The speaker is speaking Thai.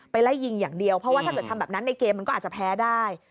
ไล่ยิงอย่างเดียวเพราะว่าถ้าเกิดทำแบบนั้นในเกมมันก็อาจจะแพ้ได้